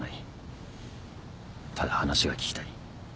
ただ話が聞きたい。